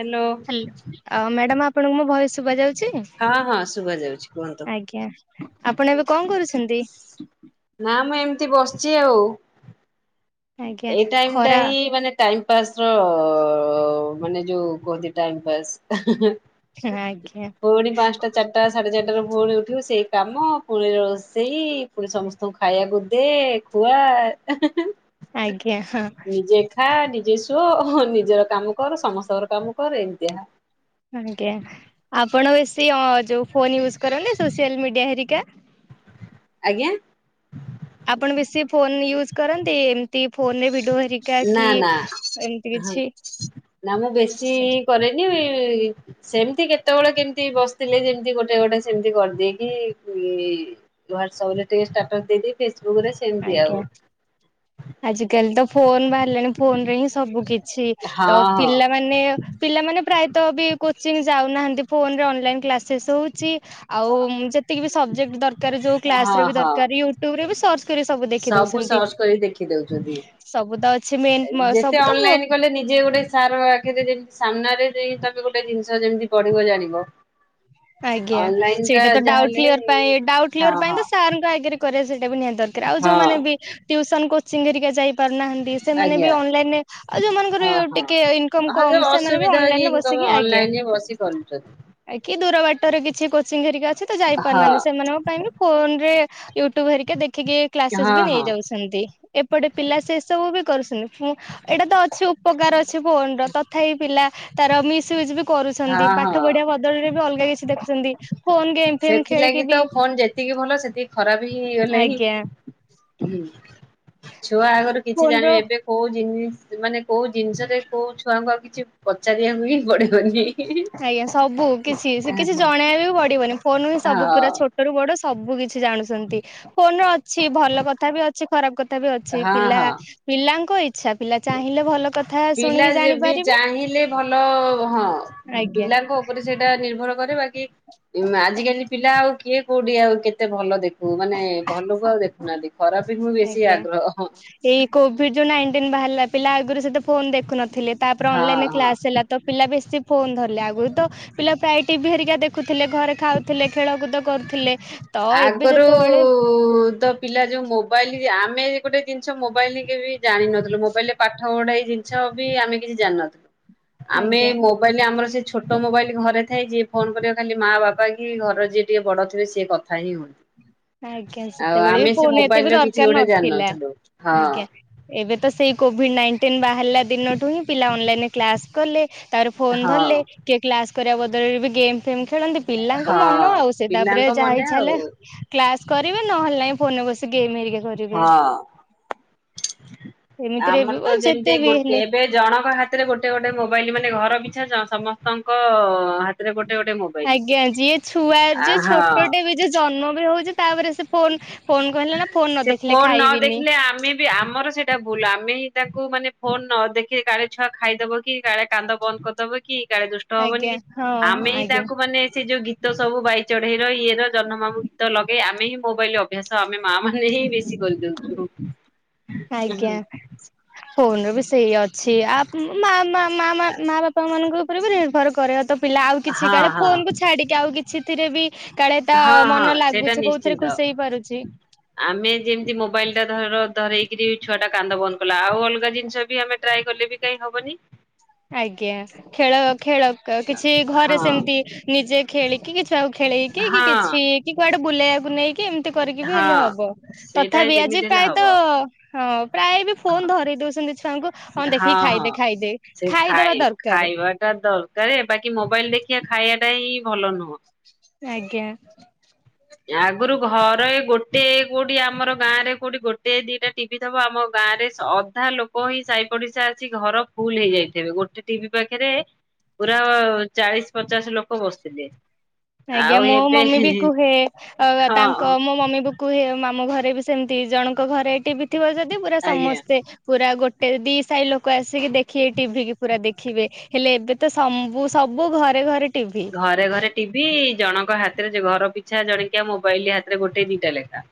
Hello. ଆ madam ଆପଣଙ୍କୁ ମୁଁ ଭଏ ଶୁଭା ଯାଉଛି। ହଁ ହଁ ଶୁଭା ଯାଉଛି କୁହନ୍ତୁ। ଆଜ୍ଞା ଆପଣ ଏବେ କଣ କରୁଛନ୍ତି? ନା ମୁଁ ଏମିତି ବସିଚି ଆଉ। ଆଜ୍ଞା ଏଇ ଟାଇମ ଟା ଖରା ହିଁ ମାନେ ଟାଇମ ପାସ୍ ର ମାନେ ଯୋଉ କୁହନ୍ତି ଟାଇ ପାସ୍। ଆଜ୍ଞା ପୁଣି ପାଞ୍ଚଟା। ଚାରିଟା ସାଢ଼େ ଚାରିଟାରୁ ଭୋଳି ଉଠିବ ସେଇ କାମ ପୁଣି ରୋଷେଇ ପୁଣି ସମସ୍ତଙ୍କୁ ଖାଇବାକୁ ଦେଏ। ହୁଆ ଆଜ୍ଞା ହଁ ନିଜେ। ଖାଆ ନିଜେ ଶୋ ନିଜର କାମ କର ସମସ୍ତଙ୍କର କାମ କର ଏମିତିଆ। ଆଜ୍ଞା ଆପଣ ବେଶୀ ଅ ଯୋଉ ଫୋନ ୟୁଜ କରନ୍ତ ସୋସିଆଲ ମିଡିଆ ହରିକା। ଆଜ୍ଞା। ଆପଣ ବେଶି ଫୋନ ୟୁଜ୍ କରନ୍ତି ଏମିତି ଫୋନ ରେ ଭିଡିଓ ହେ ଏକାକି ନା ନା ଏମିତି ହଁ କିଛି। ନା ମୁଁ ବେଶୀ କରେନି। ସେମିତି କେତେବେଳେ କେମିତି ବସିଥିଲେ ଯେମତି ଗୋଟେ ଗୋଟେ ସେମିତି କରିଦେଇକି ଏ। ହ୍ୱାଟସପ ଟିକେ ଷ୍ଟାଟସ ଦେଇି ଫେସବୁକ୍ ରେ। ସେମିତି ଆଜ୍ଞା ଆଉ ଆଜିକାଲି ତ ଫୋନ ବାହାରିଲାଣି ଫୋନ ରେ ହିଁ ସବୁ କି ଛି ହଁ ଆଉ ପିଲାଙ୍କୁ। ମାନେ ପିଲାମାନେ ପ୍ରାୟତ ବି କୋଚିଂ ଯାଉନାହାନ୍ତି ଫୋନରେ ଅନଲାଇନ କ୍ଲାସେସ୍ ହଉଛି। ଆଉ ଯେତିକି ବି ସବଜେକ୍ଟ ଦରକାର ଯୋଉ ହଁ ହଁ କ୍ଲାସ ରେ ବି ହଁ ଦରକାର ୟୁଟ୍ୟୁବ ରେ ବି ସର୍ଚ୍ଚ। କିରେ ସବୁ ଦେଖି ଦଉଛନ୍ତି ସର୍ଚ୍ଚ କରି ଦେଖି ଦଉଛନ୍ତି। ସବୁ ତ ଅଛି ମେନ୍ ଯେତେ ସବୁତ। ଅନଲାଇନ କଲେ ନିଜେ ଗୋଟେ ସାର ଆଖରେ ଯେମିତି ସାମ୍ନାରେ ତମେ ଗୋଟେ ଜିନିଷ ଯେମିତି ବଢିବ ଜାଣିବ ଆଜ୍ଞା ଅନଲାଇନ ଟା ସେଇଟା ତ ଡାଉଟ ଯାହାହେଲେ କ୍ଲିଅର ପାଇଁ ଡାଉଟ ହଁ କ୍ଲିଅର ପାଇଁ ହଁ ତ ସାରଙ୍କ ଆଗରେ। କରିବା ସେଇଟା ବି ନିହାତି ଦରକାର ଆଉ ହଁ ଯୋଉମାନେ ବି ଟିଉସନ କୋଚିଂ ହେରିକା ଯାଇ ପାରୁନାହାନ୍ତି ସେମାନେ ଆଜ୍ଞା ବି ଅନଲାଇନ ରେ ଆଉ ହଁ ଯୋଉମାନଙ୍କର ହଁ ଟିକେ ଇନକମ୍ ହଁ ଯୋଉ କମ ସେମାନେ ବି ଅସୁବିଧା ଅନଲାଇନ ରେ ବସ ଆସିକି ଆଜ୍ଞା ସେ କି ଦୂର ବାଟରେ କିଛି କୋଚିଂ ହେରିକା ଅଛି ତ ଯାଇ ହଁ। ପାରୁନାହାନ୍ତି ସେମାନଙ୍କ ପାଇଁ ବି ଫୋନ ରେ ୟୁଟ୍ୟୁବ ହେରିକା ଦେଖିକି କ୍ଲାସେସ୍ ବି ହଁ ହଁ ନେଇଯାଉଛନ୍ତି ଏପଟେ ପିଲା ସେ ସବୁ ବି କରୁଛନ୍ତି ଏଇଟା ତ ଅଛି ଉପକାର ଅଛି ଫୋନ ର ତଥାପି ପିଲା ତାର ମିସୟୁଜ ବି କରୁଛନ୍ତି ହଁ ହଁ ପାଠ ପଢିବା ବଦଳରେ ବି ଅଲଗା କିଛି ଦେଖୁଛନ୍ତି ଫୋନ ଗେମ୍ ଫେମ୍ ଖେଳିକି ସେଥିଲାଗି ତ ବି ଫୋନ ଯେତିକି ଭଲ ସେତିକି ଖରାପ ହେଇଗଲେଣିି। ଆଜ୍ଞା ହୁଁ ଛୁଆ ଆଗରୁ କିଛି ଫୋନ ଜାଣିବେ ର ଏବେ କୋଉ ଜିନିଷ ମାନେ କୋଉ ଜିନିଷରେ କୋଉ ଛୁଆଙ୍କୁ ଆଉ କିଛି ପଚାରିବାକୁ ହିଁ ପଡେ ଆଜ୍ଞା ସବୁ କିଛି ସେ କିଛି ହଁ। ଜଣେଇବା ବି ପଡିବନି ଫୋନ ହିଁ ସବୁ ପୁରା ଛୋଟ ଛୋଟ ରୁ ବଡ ସବୁ କିଛି ଜାଣୁଛନ୍ତି ଫୋନ ଅଛି ଭଲ କଥା ବି ଅଛି ଖରାପ କଥା ବି ଅଛି ସେଇ ହଁ ପିଲା ହଁ ପିଲାଙ୍କ ଇଚ୍ଛା ପିଲା ଚାହିଁଲେ ଭଲ କଥା ପିଲା ଶୁଣିକି ଯେବି ଜାଣିପାରିବେ ଚାହିଁଲେ ଭଲ ହଁ ଆଜ୍ଞା ପିଲାଙ୍କ ଉପରେ ସେଇଟା ନିର୍ଭର କରେ ବାକି ଆଜିକାଲି ପିଲା ଆଉ କିଏ କୋଉଠି ଆଉ କେତେ ଭଲ ଦେଖ। ମାନେ ଭଲୁକୁ ଆଉ ଦେଖୁନାହାନ୍ତି ଖରାପ ହିଁ ବେଶୀ ଆଜ୍ଞା ଆଗ୍ରହ ହଁ ଏଇ କୋଭିଡ ଯୋଉ ନାଇଁଟିନ ବାହାରିଲା ପିଲା ଆଗରୁ ସେତେ ଫୋନ ଦେଖୁନଥିଲେ ତାପରେ ଅନଲାଇନ ହଁ କ୍ଲାସ ହେଲା ତ ପିଲା ବେଶୀ ଫୋନ ଧରିଲେ ଆଗରୁ ତ ପିଲା ପ୍ରାୟ ଟିଭି ହେରିକା ଦେଖ ଦେଖୁଥିଲେ ଘରେ ଖାଉଥିଲେ ଖେଳ କୁଦ କରୁଥିଲେ ତ ଏବେ ଆଗରୁ ଯେତେବେଳେ ଉ ତ ପିଲା ଯୋଉ ମୋବାଇଲ ଆମେ ଗୋଟେ ଜିନିଷ ମୋବାଇଲ କେବେବି ଜାଣିନଥିଲୁ ମୋବାଇଲରେ ପାଠ ପଢାଇ ଜି ଆଛ ବି ଆମେ କିଛି ଜାନିନଥିବୁ [unintelligible] ଆମେ ମୋବ୍ ମୁଁ କହିଲି ଆମର ସେ ଛୋଟ ମୋବାଇଲ ଘରେ ଥାଏ ଯିଏ ଫୋନ୍ କରିବ ଖାଲି ମା ବାପା କି ଘରର ଯିଏ ଟିକେ ବଡ଼ ଥିବେ ସିଏ କ ଥାଇ ହୁଁ ଆଜ୍ଞା ସେତେବେଳେ ବି ଫୋନ ଏତେ ମୋବାଇଲ ବି ର କିଛି ଦରକାର ଗୋଟେ ନଥିଲା ଜାଣିନଥିଲୁ ହଁ ଆଜ୍ଞା- ଏବେ ତ ସେଇ କୋଭିଡ ନାଇଣ୍ଟିନ ବାହାରିଲା ଦିନଠୁ ହିଁ ପିଲା ଅନଲାଇନରେ କ୍ଲାସ କଲେ ତାପରେ ଫୋନ ହଁ ଧରିଲେ କିଏ କ୍ଲାସ କରିବା ବଦଳରେ ବି ଗେମ୍ ଫେମ ଖେଳନ୍ତି- ପିଲାଙ୍କ ମନ ହଁ। ଆଉ ସେ ତାପରେ ପିଲାଙ୍କ ଯାହା ମନେ ଇଛା ଆଉ ହେଲା କ୍ଲାସ କରିବେ ନହେଲେ ନାହିଁ ଫୋନରେ ବସି ଗେମ୍ ହେରିକା କରିବେ ହଁ। ଏମିତିରେ ଆମର ବି ବ ତ ଯେମିତି ଯେତେ ଏ ବି ଗୋଟେ ହେଲେ ଏବେ ଜଣଙ୍କ ହାତରେ ଗୋଟେ ଗୋଟେ ମୋବାଇଲ ମାନେ ଘର ପିଛା ଜ ସମସ୍ତଙ୍କ ହାତ ଆଜ୍ଞା ଯିଏ ଛୁଆ ଆ ଯେ ହଁ। ଛୋଟଟେ ବି ଜନ୍ମ ବି ହଉଛି ତାପରେ ସେ ଫୋନ ଫୋନ୍ କହିଲା ନା ଫୋନ ନ ସେ ଦେଖିଲେ ଫୋନ ନ ଖାଇବିନି ଦେଖିଲେ ଆମେ ଆମର ସେଇଟା ଭୁଲ ଆମେ ହିଁ ତାକୁ ମାନେ ଫୋନ ନ ଦେଖି କାଳେ ଛୁଆ ଖାଇଦବ କି କାଳେ କାନ୍ଦ ବନ୍ଦ କରିଦବ କି କି କାଳେ ଦୁଷ୍ଟ ହବନି ଆଜ୍ଞା କି ହଁ ହଁ ଆମେଁ ହିଁ ଆଜ୍ଞା ତାକୁ ମାନେ ସେ ଯୋଉ ଗୀତ ଗୀତ ସବୁ ବାଇ ଚଢେଇ ର ଇଏ ର ଜହ୍ନ ମାମୁ ଗୀତ ଲଗେଇ ଆମେ ହିଁ ମୋବାଇଲ ଅଭ୍ୟାସ ଆମେ ମା ମାନେ ହିଁ ବେଶୀ କରିଦଉଛୁ ଆଜ୍ଞା ଫୋନରେ ବି ସେଇଆ ଅଛି ଆପ୍ ମା ମା ମା ମା ମା ବାପା ମାନଙ୍କ ଉପରେ ବି ନିର୍ଭର କରେ ତ ପିଲା ଆଉ ହଁ କିଛି ହଁ କାଳେ ଫୋନକୁ ହଁ ଛାଡିକି ଆଉ କିଛିଥିରେ ବି କାଳେ ତା ହଁ ମନ ସେଇଟା ଲାଗୁଚି କୋଉଥିରେ ନିଶ୍ଚିନ୍ତ। ଖୁସି ହେଇ ପାରୁଚି। ଆମେ ଯେମିତି ମୋବାଇଲଟା ଧର ଧରେଇକିରି ଛୁଆଟା କାନ୍ଦ ବନ୍ଦ କଲା ଆଉ ଅଲଗା ଜିନିଷ ବି ଆମେ ଟ୍ରାଏ କଲେ ବି କାଇଁ ହବନି। ଆଜ୍ଞା ଖେଳ ଅ ଖେଳ ତ କିଛି ଘରେ ହଁ ସେମିତି ନିଜେ ଖେଳିକି କି ଛୁଆକୁ ଖେଳେଇକି କି ହଁ। କିଛି କି କୁଆଡେ ବୁଲେଇବାକୁ ନେଇକି ଏମିତି କରିକି ବି ହେଲେ ହଁ ହବ। ସେଇଟା ତଥାପି ଆଜି ଯେମିତି ହେଲେ ହବ ପ୍ରାୟତ ହଁ ପ୍ରାୟ ବି ଫୋନ୍ ଧରେଇ ଦୋଉଚନ୍ତି ଛୁଆଙ୍କୁ। ହଁ ଦେଖିକି ଖାଇଦେ ଖାଇଦେ ସେ ଖାଇ ଖାଇଦବା ଦରକାରେ। ଖାଇବାଟା ଦରକାର ବାକି ମୋବାଇଲ ଦେଖିବା ଖାଇବାଟା ହିଁ ଭଲ ନୁହଁ। ଆଜ୍ଞା। ଆଗରୁ ଘରେ ଗୋଟେ କୋଉଠି ଆମର ଗାଁରେ କୋଉଠି ଗୋଟେ ଦିଟା ଟି [unintelligible] ବ ଆମ ଗାଁରେ ସ ଅଧା ଲୋକ ହିଁ ସାଇ ପଡିଶା ଆସି ଘର ଫୁଲ ହେଇଯାଇଥିବେ ଗୋଟେ ଟିଭି ପାଖରେ ପୁର ଚାଳିଶ ପଚାଶ ଲୋକ ବସୁଥିଲେ। ଆଜ୍ଞା ମୋ ମମି ବି କୁହେ। ଅ ବ ତାଙ୍କ ହଁ ମୋ ମମି ବି କୁହେ। ଏ ମାମୁଁ ଘରେ ବି ସେମିତି ଜଣଙ୍କ ଘରେ ଟିଭି ଥିବ ଯଦି ପୁରା ଆଜ୍ଞା। ସମସ୍ତେ ପୁରା ଗୋଟେ ଦି ସାହି ଲୋକ ଆସିକି ଦେଖିବେ ଟିଭି କି ପୁରା ଦେଖିବେ। ହେଲେ ଏବେ ତ ସମ୍ବୁ ସବୁ ଘରେ ଘରେ ଟିଭି। ଘରେ ଘରେ ଟିଭି ଜଣଙ୍କ ହାତରେ ଯେ ଘର ପିଛା ଜଣିକିଆ ମୋବାଇଲ ହାତରେ ଗୋଟେ ଦିଇଟା ଲେଖା।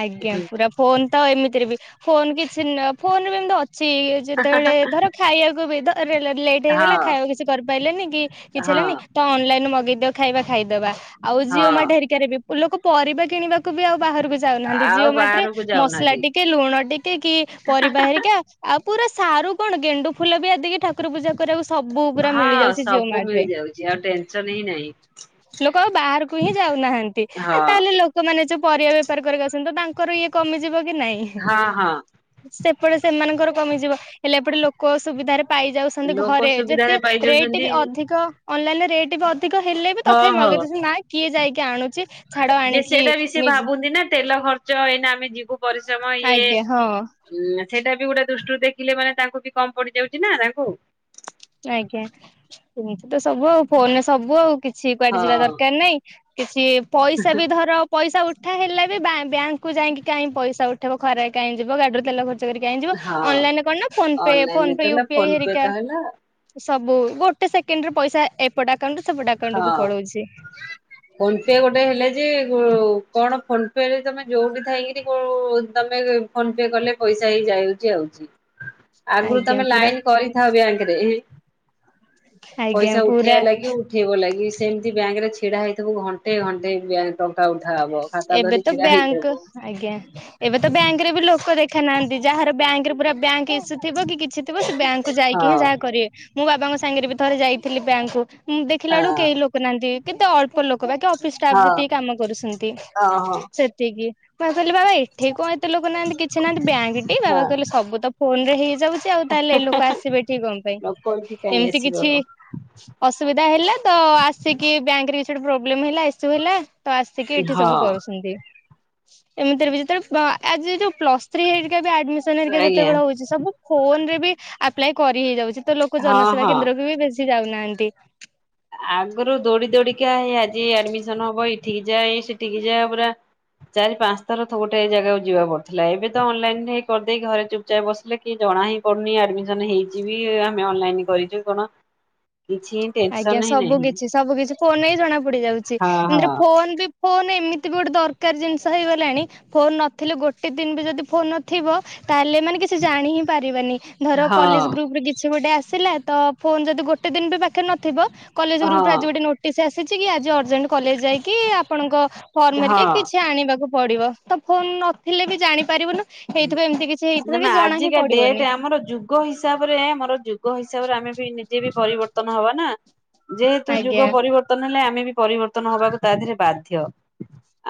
ଆଜ୍ଞା ହୁଁ ପୁରା ଫୋନ୍ ତ ଏମିତିରେ ବି ଫୋନ୍ କିଛି ନ ଫୋନ୍ ବି ଏମିତି ଅଛି। ଯେତେବେଳେ ହଁ ଧର ଖାଇବାକୁ ବି ତ ରେଡ [unintelligible] ଲାଇଟ୍ ହେଇଗଲା ଖାଇବାକୁ କିଛି କରିପାଇଲେନି କି କିଛି ହଁ ହେଲାନି ତ ଅନଲାଇନରେ ମଗେଇଦିଅ ଖାଇବା ଖାଇଦବା ଆଉ ଜିଓ ହଁ ମାର୍ଟ ହେରି କାରେ ବି ପୁ ଲୋକ ପରିବା କିଣିବାକୁ ବି ଆଉ ବାହାରକୁ ଯାଉନାହାନ୍ତି ଆଉ ଜିଓ ମାର୍ଟରେ ବାହାରକୁ ମସଲା ଯାଉନାହାନ୍ତି ଟିକେ ଲୁଣ ଟିକେ କି ପରିବା ହେରିକା ଆଉ ପୁରା ସାରୁ କଣ ଗେଣ୍ଡୁ ଫୁଲ ବି ଆଦି କି ଠାକୁର ପୂଜା କରିବାକୁ ସବୁ ପୁରା ମିଳିଯାଉଚି ଜିଓ ମାର୍ଟରେ। କିଛି ଆଉ ଟେନସନ୍ ହିଁ ନାହିଁ। ଲୋକ ଆଉ ବାହାରକୁ ହିଁ ଯାଉନାହାନ୍ତି ଆଉ ହଁ ତାହେଲେ ଲୋ କମାନେ ଯୋଉ ପରିବା ବେପାର କରିକ ଆସୁଚନ୍ତି ତ ତାଙ୍କର ଇଏ କମିଯିବ କି ନାଇଁ। ହଁ ହଁ ସେପଟେ ସେମାନଙ୍କର କମିଯିବ ହେଲେ ଏପଟେ ଲୋକ ସୁବିଧାରେ ପାଇଯା ଛନ୍ତି। ଲୋକ ଘରେ ଯେତେ ସୁବିଧାରେ ରେଟ୍ ପାଇଯାଉଛନ୍ତି ବି ଅଧିକ ଅନଲାଇନରେ ରେଟ୍ ବି ଅଧିକ ହେଲେ ବି ହଁ ତଥାପି ହଁ ମଗେଇ ଦୋଉଚନ୍ତି ନାଁ କିଏ ଯାଇକି ଆଣୁଚି। ଯେ ସେଟା ବି ସିଏ ଭାବୁନି ନା ତେଲ ଖର୍ଚ୍ଚ ଏଇନା ଆମେ ଯିବୁ ପରିଶ୍ରମ ଇଏ ଆଜ୍ଞା ହଁ ଉଁ ଆଁ ସେଇଟା ବି ଗୋଟେ ଦୃଷ୍ଟିରୁ ଦେଖିଲେ ମାନେ ତାଙ୍କୁ ବି କମ୍ ପଡିଯାଉଚି ନା ତାଙ୍କୁ। ଆଜ୍ଞା ଏମିତି ତ ସବୁ ଆଉ ଫୋନରେ ସବୁ ଆଉ କିଛି କୁଆଡେ ହଁ ଯିବା ଦରକାର ନାଇଁ। କିଛି ପଇଷି ବି ଧର ପଇଷା ଉଠା ହେଲେ ବି ବ୍ୟା-ବ୍ୟାଙ୍କ କୁ ଯାଇକି କାହିଁ ପ‌ଇଷା ଉଠେଇବ ଖରାରେ କାହିଁ ଯିବ ଗାଡିରୁ ତେଲ ଖ ର୍ଚ୍ଚ କରିକି କାଇଁ ଜିବ ହଁ ଅନାଇନରେ କଣ ଫୋନ୍ ପେ ଫୋନ୍ ଅନଲାଇନରେ ତ ପେ ହେଲା ଫୋନ ୟୁପିଆଇ ପେ ହେରିକା ତ ହେଲା ସବୁ ଗୋଟେ ସେକେଣ୍ଡରେ ପଇସା ଏପଟ ଆକାଉଣ୍ଟରୁ ସେପଟ ଆ କାଉଣ୍ଟକୁ ହଁ ପଳୋଉଚି। ଫୋନ ପେ ଗୋଟେ ହେଲେ ଯେ କୁ କଣ ଫୋନ୍ ପେରେ ତମେ ଯୋଉଠି ଥାଇକିରି କୋଉ ତମେ ଫୋନ୍ ପେ କଲେ ପଇସା ଏଇ ଯାଉଚି ଆଉଚି। ଆଗରୁ ଆଜ୍ଞା ତମେ ପୁରା ଲାଇନ୍ କରିଥାଅ ବ୍ୟାଙ୍କରେ ଆଜ୍ଞା ପଇସା ପୁରା ଉଠେଇବା ଲାଗି ଉ ଉଠବ ଲାଗି ସେମିତି ବ୍ୟାଙ୍କରେ ଛିଡ଼ା ହେଇଥିବୁ ଘଣ୍ଟେ ଘଣ୍ଟେ ବ୍ୟା ଟଙ୍କା ଉଠା ହବ ଖାତା ଏବେ ଧରି ତ ଛିଡା ବ୍ୟାଙ୍କ ହେଇଥିବୁ ଆଜ୍ଞା ଏବେ ତ ବ୍ୟାଙ୍କରେ ବି ଲୋକ ଦେଖ ଦେଖା ନାହାନ୍ତି ଯାହାର ବ୍ୟାଙ୍କ ପୁରା ବ୍ୟାଙ୍କ ଇସ୍ୟୁ ଥିବ କିଛି ଥିବ ସେ ବ୍ୟାଙ୍କକୁୁ ହଁ ଯାଇକି ହିଁ ଯାହା କରିବେ। ମୁଁ ବାବାଙ୍କ ସାଙ୍ଗରେ ବି ଥରେ ଯାଇଥିଲି ବ୍ୟାଙ୍କକୁ ମୁଁ ଦେଖିଲା ହଁ ବେଳକୁ କେହି ଲୋକ ନାହାନ୍ତି କେତେ ଅଳ୍ପ ଲୋକ। ବାକ ଅଫିସ ଷ୍ଟାଫ୍ ହଁ ଯେତିକି କାମ କରୁଛନ୍ତି। ଓହୋ ସେତିକି ବା କହିଲେ ବାବା ଏଠି କଣ ଏତେ ଲୋକ ନାହାନ୍ତି କିଛି ନାହାନ୍ତି ବ୍ୟାଙ୍କଟି ବାବା ହଁ କହିଲେ ସବୁ ତ ଫୋନ ରେ ହେଇଯାଉଛି ଆଉ ତାହେଲେ ଲୋକ ହଁ ଆସିବେ ଠିକ କଣ ପାଇଁ? ଲୋକ ଏଠି କାହିଁ ଏମିତି ଆସିବ କିଛି ଅସୁବିଧା ହେଲା ତ ଆସିକି ବ୍ୟାଙ୍କ ରେ କିଛି ଗୋଟେ ପ୍ରୋବ୍ଲେମ ହେଲା ଇସ୍ୟୁ ହେଲା ତ ଆସିକି ଏଠ ହଁ ସବୁ କରୁଛନ୍ତି, ଏମିତିରେ ଯେେବେଳେ ଆଜି ଯ ପ୍ଲସ ଥ୍ରି ହେଇ ଆଜ୍ଞା ଯେତେବେଳେ ହଉଛି ସବୁ ଫୋନ ରେ ବି ଆପ୍ଲାଏ କରି ହେଇଯାଉଛି ତ ଲୋକ ହଁ ଜନସେବା ହଁ କେନ୍ଦ୍ରକୁ ବି ବେଶ ଯାଉନାହାନ୍ତି। ଆଗରୁ ଦୌଡି ଦୌଡିକା ଆଜି ଆଡମିସନ ହବ ଏଇଠିକ ଯାଏ ସେଠିକ ଯାଏ ପୁରା ଚାରି ପାଞ୍ଚ ଥର ଗୋଟେ ଜାଗାକୁ ଯିବା ପଡିଥିଲା ଏବେ ତ ଅନଲାଇନ କରିଦେଇ ଘରେପ ଚାଇ ବସିଲେ କିଏ ଜଣା ହିଁ ପଡ଼ୁନି ଆଡ଼ମିସନ ହେଇଯିବି ଆମେ ଅନଲାଇନ କରିଛୁ କଣ? କିଛି ଆଜ୍ଞା ଟେନସନ ହିଁ ସବୁ ନାହିଁ କିଛି ସବୁ କିଛି ଫୋନ ହିଁ ଜଣା ପଡି ଯାଉଛି ହଁ ହଁ ଏମିତି ଫୋନ ବି ଫୋନ୍ ଏମିତି ବି ଗୋଟେ ଦରକାର ଜିନିଷ ହେଇଗଲାଣି ଫୋନ ନଥିଲେ ଗୋଟେ ଦିନ ବି ଯଦି ଫୋନ ନଥିବ ତାହେଲେ ଏମାନେ କିଛି ଜାଣି ହିଁ ପାରିବାନି। ଧର କଲେଜ ହଁ ଗ୍ରୁପରେ କିଛି ଗୋଟେ ଆସିଲା ତ ଫୋନ ଯଦି ଗୋଟେ ଦିନ ବି ପାଖେ ନଥିବ କଲେଜ ଗ୍ରୁପରେ ହଁ ଆଜି ଗୋଟେ ନୋଟିସ୍ ଆସିଛି କି ଆଜି ଅର୍ଜେଣ୍ଟ କଲେଜ ଯାଇକି ଆପଣଙ୍କ ଫର୍ମହରିକି ହଁ କିଛି ଆଣିବାକୁ ପଡିବ ତ ଫୋନ ନଥିଲେ ବି ଜାଣିପାରିବୁ ହଁ ନା ନା ଆଜିକା ଡେଟ୍ ଆମର ଯୁ ଯୁଗ ହିସାବରେ ଆମର ଯୁଗ ହିସାବରେ ଆମେ ବି ନିଜେ ବି ପରିବର୍ତ୍ତନ ହବା ନା। ଯେହେତୁ ଆଜ୍ଞା ଯୁଗ ପରିବର୍ତ୍ତନ ହେଲେ ଆମେ ବି ପରିବର୍ତ୍ତନ ହବାକୁ ତା ଦେହରେ ବାଧ୍ୟ।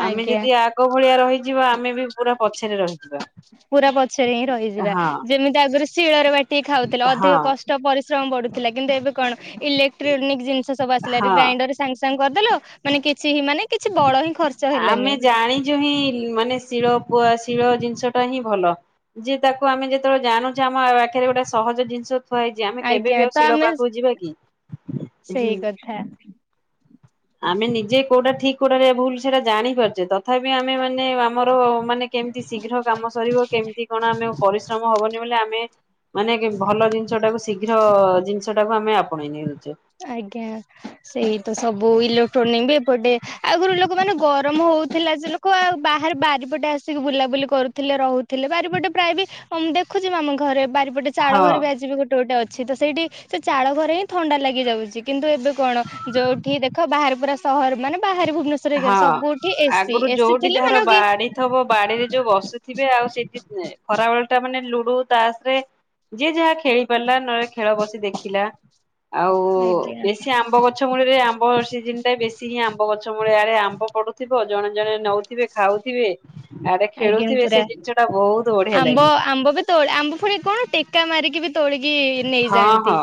ଆମେ ଆଜ୍ଞା ଯଦି ଆଗ ଭଳିଆ ରହିଯିବା ଆମେ ବି ପୁରା ପଛରେ ରହିଯିବା। ପୁରା ପଛରେ ହିଁ ରହିଯିବା ହଁ ଯେମିତି ଆଗରୁ ଶିଳରେ ବାଟିକି ଖାଉଥିଲେ ଅଧିକ କଷ୍ଟ ପରିଶ୍ରମ ବଢୁଥିଲା କିନ୍ତୁ ଏବେ କଣ ହଁ ଇଲେକ୍ଟ୍ରୋନିକ୍ ଜିନିଷ ସବୁ ଆସିଲାରୁ ହଁ ଗ୍ରାଇଣ୍ଡର ସାଙ୍ଗେ ସାଙ୍ଗ କରିଦେଲ ମାନେ କିଛି ହିଁ ମାନେ କିଛି ବଡ ହିଁ ଖର୍ଚ୍ଚ ଆମେ ହେଲାନି ଜାଣିଛୁ ହିଁ ମାନେ ଶିଳ ପ ଶିଳ ଜିନିଷ ଟା ହିଁ ଭଲ। ଯେ ତାକୁ ଆମେ ଯେତେବେଳେ ଜାଣୁଛେ ଆମ ଆଖରେ ଗୋଟେ ସହଜ ଜିନିଷ ଥୁଆ ହେଇଛି ଆମେ କେବେ ଆଜ୍ଞା ବି ଆଉ ତ ଶିଳ ଆମେ ପାଖକୁ ଯିବା କି? ସେଇ କଥା। ଆମେ ନିଜେ କୋଉଟା ଠିକ କୋଉଟାରେ ଭୁଲ ସେଟା ଜାଣିପାରୁଛେ ତଥାପି ଆମେ ମାନେ ଆମ ଆମର ମାନେ କେମିତି ଶୀଘ୍ର କାମ ସରିବ କେମିତି କଣ ଆମେ ପରିଶ୍ରମ ହବନି ବୋଲି ଆମେ ମାନେ ଭଲ ଜିନିଷ ଟାକୁ ଶୀଘ୍ର ଜିନିଷ ଟାକୁ ଆମେ ଆପଣେଇ ନେଇଉଛେ। ଆଜ୍ଞା ସେଇ ତ ସବୁ ଇଲେକ୍ଟ୍ରୋନିକ ବି ଏପଟେ ଆଗରୁ ଲୋକ ମାନେ ଗରମ ହଉ ଥିଲା ଯେ ଲୋକ ଆଉ ବାହାରେ ବାରିପଟେ ଆସିକି ବୁଲାବୁଲି କରୁଥିଲେ ରହୁଥିଲେ। ବାରିପଟେ ପ୍ରାୟ ବି ଉଁ ଦେଖୁଛି ଆମ ଘରେ ବାରିପଟେ ଚାଳ ହଁ। ଘର ବି ଆଜିିବ ବି ଗୋଟେ ଗୋଟେ ଅଛି ତ ସେଇଠି ତ ଚାଳ ଘରେ ହିଁ ଥଣ୍ଡା ଲାଗେ ଯାଉଛି କିନ୍ତୁ ଏବେ କଣ ଯୋଉଠି ଦେଖ ବାହାର ପୁରା ସହର ମାନେ ବାହରେ ଭୁବନେଶ୍ୱର ହଁ ହେଇଗଲେ ସବୁଠି ଏସି ଆଗରୁ ଏସି ଯୋଉଠି ଥିଲେ ମାନେ ଯାହାର ଆଉ କେହି ବାଡି ଥବ ବାଡିରେ ଯୋଉ ବସି ଥିବେ ଆଉ ସେଇଠି ଖରାବେେଳ ଟା ମାନେ ଲୁଡୁ ତାସ ରେ ଯିଏ ଯାହା ଖେଳି ପାରିଲା ନହେଲେ ଖେଳ ବସି ଦେଖିଲା ଆଉ ଆଜ୍ଞା ବେଶୀ ଆମ୍ବ ଗଛ ଗଛ ମୁଳରେ ଆମ୍ବ ସିଜନଟ ଟା ବେଶୀ ହିଁ ଆମ୍ବ ଗଛ ସବୁବେଲେ ଆଡେ ଆମ୍ବ ପଡୁଥିବ ଜଣେ ଜଣେ ନଉଥିବେ ଖାଉଥିବେ? ଆରେ ଆଜ୍ଞା ଖେଳୁଥିବେ ପୁରା ସେ ଜିନିଷ ଟା ବହୁତ ବଢିଆ ଆମ୍ବ ଲାଗେ। ଆମ୍ବ ବି ତୋଳି ଆମ୍ବ ଫଣି କଣ ଟେକା ମାରିକି ବି ତୋଳିକି ହଁ ନେଇଯାଆନ୍ତି। ହଁ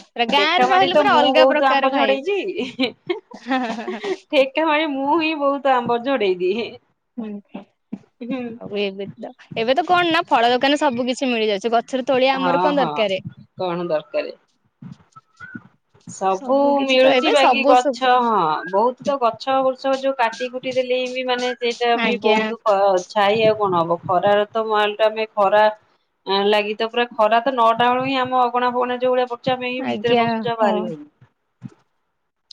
ପୁରା ଟେକା ଗାଁରେ ମାରି ରହିଲେ ତ ପୁରା ମୁଁ ଅଲଗା ବହୁତ ଆମ୍ବ ପ୍ରକାର ଭାଇ ହିଁ ଝଡେଇଛି ହିଁ ହିଁ। ମ ମୁଁ ହିଁ ବହୁତ ଆମ୍ବର ଯୋଡେଇ ଦି ହୁଁ ଆଉ ଏବେ ତ ଏବେ ତ କଣ ନା ଫଳ ଦୋକାନ ସବୁ କିଛି ମିଳିଯାଉଛି ଗଛରେ ତେଳିଆ ଆମର କଣ ହଁ ଦରକାର? କଣ ଦରକାର ସବୁ କିଛି ତ ମିଳୁଛି ଏବେ ବାକି ସବୁ ସବୁ ଗଛ ହଁ ବହୁତ। ତ ଗଛ ବୃଷ ଯୋଉ କାଟି କୁଟି ଦେଲେ ହି ବି ମାନେ ସେଇଟା ବି ଆଜ୍ଞା ବହୁତ। ଛାଇ ଆ କଣ ହବ ଖରାର ତ ମଲ ଟମେ ଖରା ଲାଗି ତ ପୁରା ଖରା ତ ନ ଡାଳ ହିଁ ଆମ ଅଗଣା ଫଗଣା ଯୋଉଳିଆ ଆଜ୍ଞା ହଁ।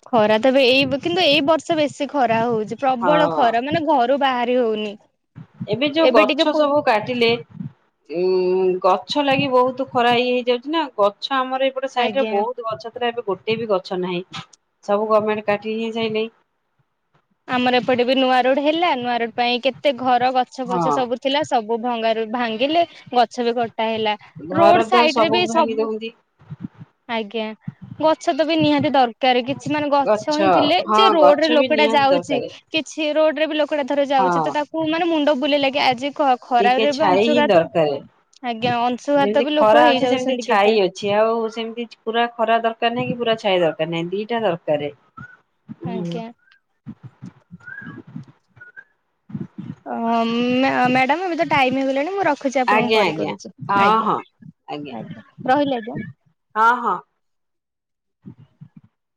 ଖରା ତ ଏଇ କିନ୍ତୁ ଏଇ ବର୍ଷ ବେଶୀ ଖରା ହଉଛି ପ୍ରବଳ ହଁ ଖରା ମାନେ ରୁ ବାହାରି ହଉନି ଏବେ ଯୋଉ ଟିକେ ଗଛ ପୁ ସବୁ କାଟିଲେ ଉଁ ଗଛ ଲାଗି ବହୁତ ଖରା ହେଇ ହେଇଯାଉଛି ନା ଗଛ ଆମର ଗୋଟେ ସାଇଡରେ ଆଜ୍ଞା। ବହୁତ ଗଛ ଥିଲା ଏବେ ଗୋଟେ ବି ଗଛ ନାହିଁ ସବୁ ଗଭର୍ଣ୍ଣମେଣ୍ଟ କାଟିି ହିଁ ଯାଇ ଆମର ଏପଟେ ବି ନୂଆ ରୋଡ ହେଲା ନୂଆ ରୋଡ ପାଇଁ କେତେ ଘର ଗଛ ହଁ ଫଛ ସବୁ ଥିଲା ସବୁ ଭଙ୍ଗାରୁ ଭାଙ୍ଗିଲେ ଗଛ ବି ଗଟା ହେଲା। ଘର ରୋଡ ଦ୍ୱାର ସାଇଡ ରେ ବି ଭାଙ୍ଗି ସବୁ ଦଉଛନ୍ତି। ଆଜ୍ଞା ଗଛ ତ ବି ନିହାତି ଦରକାର କିଛି ମାନେ ଗଛ ହିଁ ହଁ ଥିଲେ ରୋଡ ରେ ଗଛ ବି ଲୋକଟା ନିହାତି ଯାଉଛି ଦରକାର କିଛି ରୋଡରେ ବି ଲୋକଟା ଧର ହଁ ଯାଉଛି ତ ତାକୁ ମାନେ ମୁଣ୍ଡ ବୁଲ ଲାଗେ ଆଜି କ ଟିକେ ଛାଇ ହିଁ ଦରକାର ଆଜ୍ଞା ଅଂଶୁଘାତ ଯେମିତି ବି ଲୋକ ଖରା ଅଛି ସେମିତି ହେଇଯାଉଛନ୍ତି କେତେ ଛାଇ ଅଛି। ଛିଆ ଆଉ ସେମିତି ପୁରା ଖରା ଦରକାର ନାହିଁ କି ପୁରା ଛାଇ ଦରକାର ନାହିଁ ଦିଟା ଦରକାର। ହୁଁ ଆଜ୍ଞା। ଓ ମ୍ୟାଡାମ ଏବେ ତ ଟାଇମ ହେଇଗଲାଣି ମୁଁ ର ରଖୁଛି ଆପଣଙ୍କୁ ଆଜ୍ଞା ପରେ ଆଜ୍ଞା କରୁଛି ହଁ ଆଜ୍ଞା ହଁ। ଆଜ୍ଞା ଆ୍ଞା ରହିଲେ ଆଜ୍ଞା। ହଁ ହଁ।